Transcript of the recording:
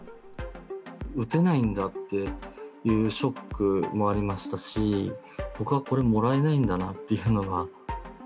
打てないんだっていうショックもありましたし、僕はこれ、もらえないんだなというのが。